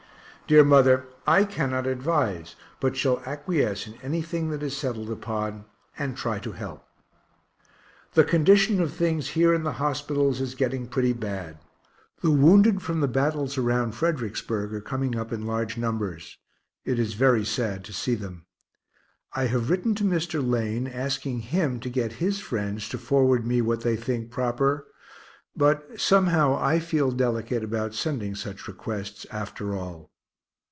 Dear mother, I cannot advise, but shall acquiesce in anything that is settled upon, and try to help. The condition of things here in the hospitals is getting pretty bad the wounded from the battles around Fredericksburg are coming up in large numbers. It is very sad to see them. I have written to Mr. Lane, asking him to get his friends to forward me what they think proper but somehow I feel delicate about sending such requests, after all.